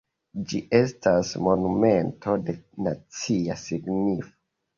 Ĝi estas monumento de nacia signifo.